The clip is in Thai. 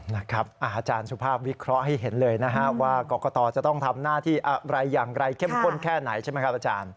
อาจารย์สุภาพวิเคราะห์ให้เห็นเลยนะฮะว่ากรกตจะต้องทำหน้าที่อะไรอย่างไรเข้มข้นแค่ไหนใช่ไหมครับอาจารย์